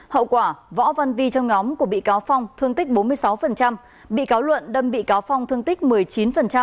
hậu quả võ văn vi trong nhóm của bị cáo phong thương tích bốn mươi sáu bị cáo luận đâm bị cáo phong thương tích một mươi chín